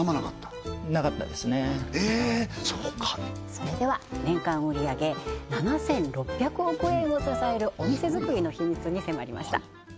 それでは年間売上げ７６００億円を支えるお店づくりの秘密に迫りました